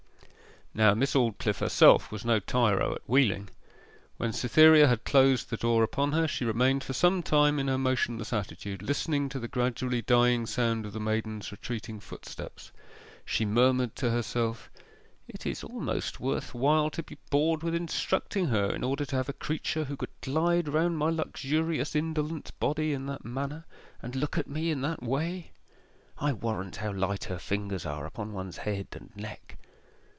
Now Miss Aldclyffe herself was no tyro at wheeling. When Cytherea had closed the door upon her, she remained for some time in her motionless attitude, listening to the gradually dying sound of the maiden's retreating footsteps. She murmured to herself, 'It is almost worth while to be bored with instructing her in order to have a creature who could glide round my luxurious indolent body in that manner, and look at me in that way I warrant how light her fingers are upon one's head and neck....